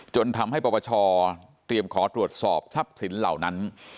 จนทำให้ปปชเตรียมขอตรวจสอบทรัพย์สินเหล่านั้น